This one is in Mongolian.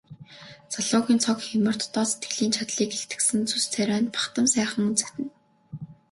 Залуугийн цог хийморь дотоод сэтгэлийн чадлыг илтгэсэн зүс царай нь бахдам сайхан үзэгдэнэ.